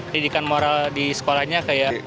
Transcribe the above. pendidikan moral di sekolahnya kayak